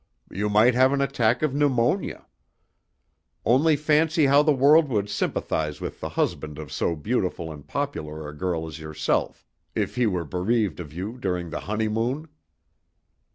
You might have an attack of pneumonia. Only fancy how the world would sympathise with the husband of so beautiful and popular a girl as yourself if he were bereaved of you during the honeymoon?"